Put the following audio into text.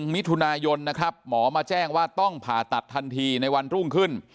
มิถุนายนนะครับหมอมาแจ้งว่าต้องผ่าตัดทันทีในวันรุ่งขึ้น